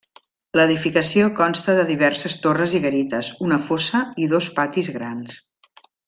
L'edificació consta de diverses torres i garites, una fossa i dos patis grans.